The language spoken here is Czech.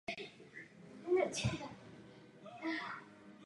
Člověk zde musí zapojovat svoji představivost.